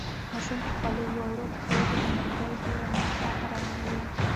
ماشوم په خپلو وړو پښو د انارګل د رمې شاته روان و.